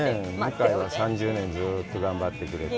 向井は３０年、ずっと頑張ってくれて。